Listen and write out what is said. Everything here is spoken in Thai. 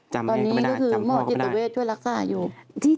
จำเองก็ไม่ได้จำพ่อก็ไม่ได้